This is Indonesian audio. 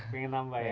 pengen nambah ya